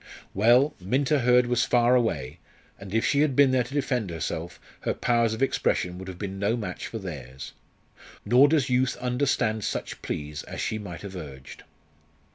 Well Minta Hurd was far away, and if she had been there to defend herself her powers of expression would have been no match for theirs. Nor does youth understand such pleas as she might have urged.